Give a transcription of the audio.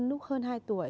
lúc hơn hai tuổi